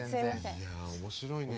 いや面白いね。